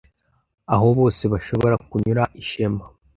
aho bose bashobora kunyura ishema